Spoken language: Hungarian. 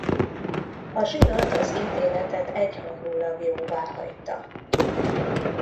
A zsinat az ítéletet egyhangúlag jóváhagyta.